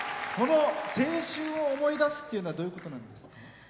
青春を思い出すっていうのはどういうことなんですか？